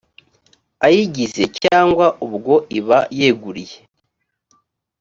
ayigize cyangwa ubwo iba yeguriye